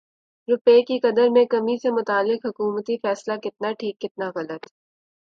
روپے کی قدر میں کمی سے متعلق حکومتی فیصلہ کتنا ٹھیک کتنا غلط